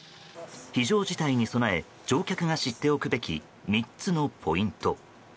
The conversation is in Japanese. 非常事態に備え乗客が知っておくべき３つのポイント。